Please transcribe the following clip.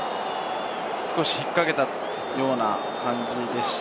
少し引っ掛けたような感じでした。